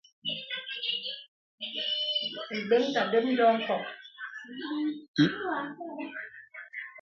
Ìbəŋ ta də́p ndɔ̄ a nkɔk.